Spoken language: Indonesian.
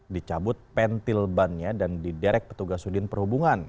dicabut pentil bannya dan diderek petugas udin perhubungan